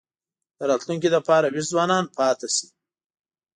د راتلونکي لپاره وېښ ځوانان پاتې شي.